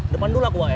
depan dulu aku wak ya